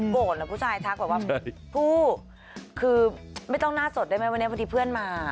โกรธเหรอผู้ชายทักบอกว่าผู้คือไม่ต้องหน้าสดได้ไหมวันนี้พี่เพื่อนมา